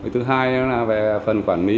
thứ hai là về phần quản lý